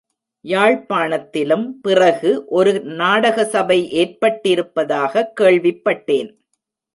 யாழ்ப்பாணத்திலும் பிறகு ஒரு நாடக சபை ஏற்பட்டிருப்பதாகக் கேள்விப்பட்டேன்.